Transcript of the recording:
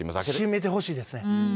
閉めてほしいですね。